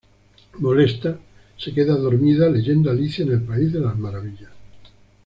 Molesta, se queda dormida leyendo Alicia en el país de las maravillas.